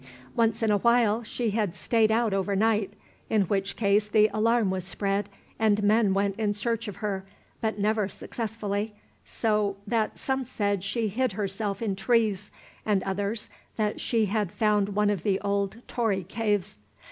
Once in a while she had stayed out over night, in which case the alarm was spread, and men went in search of her, but never successfully, so that some said she hid herself in trees, and others that she had found one of the old Tory caves.